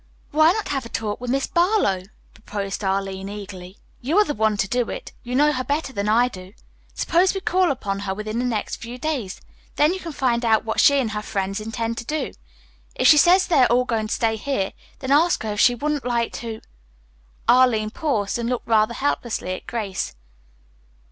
"Why not have a talk with Miss Barlow?" proposed Arline eagerly. "You are the one to do it. You know her better than I do. Suppose we call upon her within the next few days. Then you can find out what she and her friends intend to do. If she says they are all going to stay here, then ask her if she wouldn't like to " Arline paused and looked rather helplessly at Grace.